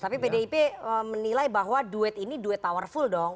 tapi pdip menilai bahwa duet ini duet powerful dong